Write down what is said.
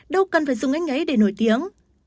đâu cần phải dùng anh ấy để nổi tiếng